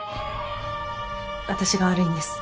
私が悪いんです。